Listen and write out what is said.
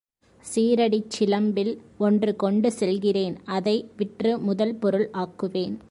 சீறடிச்சிலம்பில் ஒன்று கொண்டு செல்கிறேன் அதை விற்று முதல் பொருள் ஆக்குவேன்.